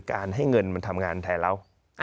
ให้เงินมันทำงานแทนเรา